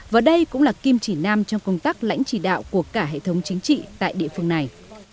và đây cũng là kim chỉ nam trong công tác lãnh chỉ đạo của cả hệ thống chính trị tại địa phương này